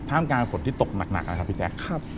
ท่ามการผลที่ตกหนักนะครับพี่แจ๊ก